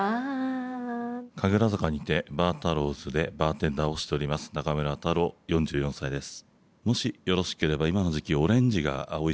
・神楽坂にてＢａｒＴａｒｒｏｗ’ｓでバーテンダーをしております中村太郎４４歳です。